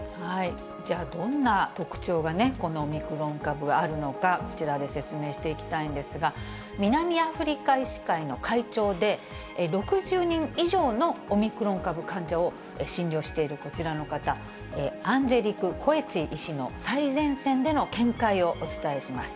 じゃあどんな特徴が、このオミクロン株、あるのか、こちらで説明していきたいんですが、南アフリカ医師会の会長で、６０人以上のオミクロン株患者を診療しているこちらの方、アンジェリク・コエツィ医師の最前線での見解をお伝えします。